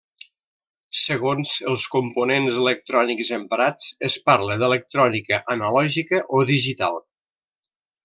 Segons els components electrònics emprats, es parla d'electrònica analògica o digital.